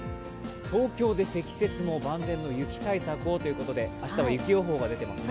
東京で積雪も万全の雪対策をということで、明日は雪予報が出ていますね。